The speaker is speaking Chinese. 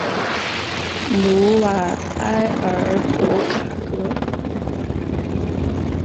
努瓦埃尔博卡格。